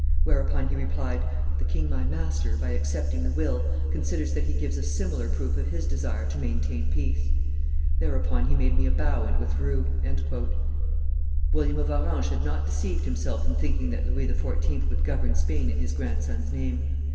Whereupon he replied, 'The king my master, by accepting the will, considers that he gives a similar proof of his desire to maintain peace.' Thereupon he made me a bow and withdrew." William of Orange had not deceived himself in thinking that Louis XIV. would govern Spain in his grandson's name.